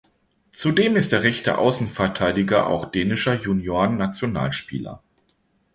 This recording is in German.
Zudem ist der rechte Außenverteidiger auch dänischer Juniorennationalspieler.